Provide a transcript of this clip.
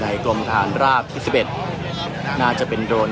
การประตูกรมทหารที่สิบเอ็ดเป็นภาพสดขนาดนี้นะครับ